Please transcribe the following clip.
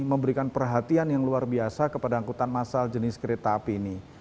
memberikan perhatian yang luar biasa kepada angkutan masal jenis kereta api ini